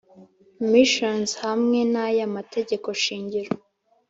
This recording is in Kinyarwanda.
Missions hamwe n aya mategeko shingiro